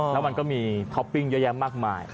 แล้วมันก็มีท็อปปิ้งเยอะแยะมากมาย